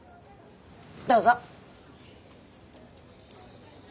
どうぞ。